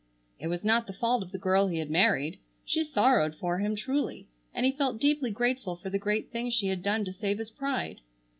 It was not the fault of the girl he had married. She sorrowed for him truly, and he felt deeply grateful for the great thing she had done to save his pride.